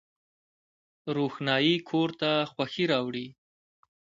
روښنايي کور ته خوښي راوړي